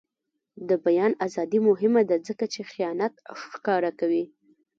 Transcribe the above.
د بیان ازادي مهمه ده ځکه چې خیانت ښکاره کوي.